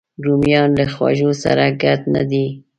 رومیان له خوږو سره ګډ نه دي